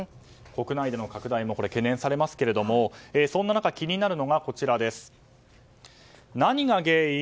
国内での拡大も懸念されますがそんな中、気になるのが何が原因？